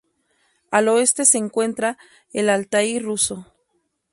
Al oeste se encuentra el Altái ruso.